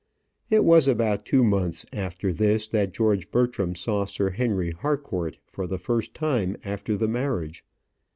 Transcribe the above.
It was about two months after this that George Bertram saw Sir Henry Harcourt for the first time after the marriage.